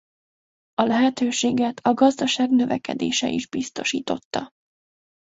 A lehetőséget a gazdaság növekedése is biztosította.